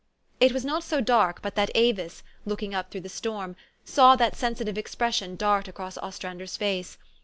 It was not so dark but that Avis, looking up through the storm, saw that sensitive expression dart across Ostrander's face.